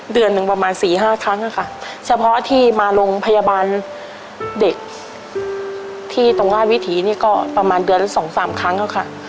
เดือนหนึ่งประมาณสี่ห้าครั้งค่ะเฉพาะที่มาโรงพยาบาลเด็กที่ตรงราชวิถีนี่ก็ประมาณเดือนละสองสามครั้งค่ะ